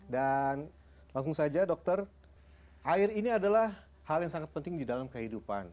dan langsung saja dokter air ini adalah hal yang sangat penting di dalam kehidupan